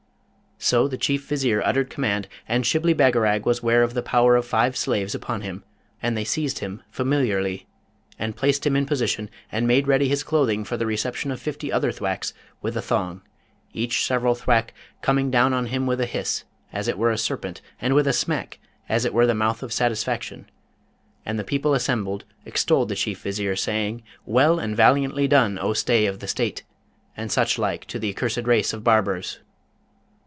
So the Chief Vizier uttered command, and Shibli Bagarag was ware of the power of five slaves upon him; and they seized him familiarly, and placed him in position, and made ready his clothing for the reception of fifty other thwacks with a thong, each several thwack coming down on him with a hiss, as it were a serpent, and with a smack, as it were the mouth of satisfaction; and the people assembled extolled the Chief Vizier, saying, 'Well and valiantly done, O stay of the State! and such like to the accursed race of barbers.'